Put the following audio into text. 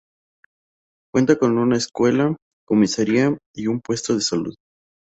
Cuenta con una escuela, comisaría y una puesto de salud.